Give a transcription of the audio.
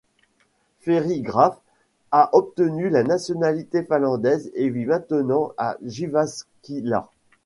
Ferry Graf a obtenu la nationalité finlandaise et vit maintenant à Jyväskylä.